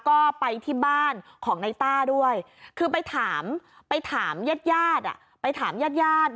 ก็ไปที่บ้านของนายต้าด้วยคือไปถามไปถามญาติไปถามญาติ